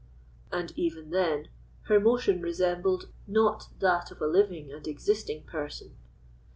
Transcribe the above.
And even then, her motion resembled not that of a living and existing person.